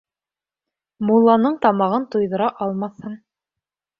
Мулланың тамағын туйҙыра алмаҫһың